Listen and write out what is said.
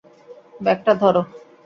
Bag টা ধরো।